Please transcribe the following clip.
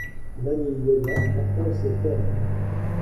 L'Agni Yoga partage ces thèmes.